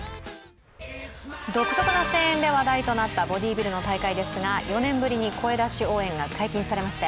独特な声援で話題となったボディビルの大会ですが、４年ぶりに声だし応援が解禁されました。